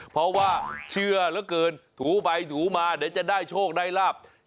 เพราะว่าเชื่อเหลือเกินถูไปถูมาเดี๋ยวจะได้โชคได้ลาบ